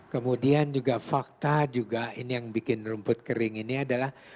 kemudian juga fakta juga ini yang bikin rumput kering ini adalah